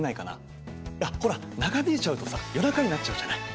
いやほら長引いちゃうとさ夜中になっちゃうじゃない。